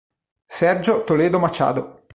Sérgio Toledo Machado